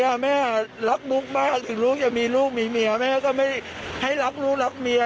แม่รักมุกมากถึงลูกจะมีลูกมีเมียแม่ก็ไม่ให้รักลูกรักเมีย